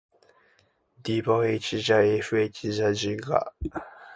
d ヴぁ h じゃ fh じゃ g か」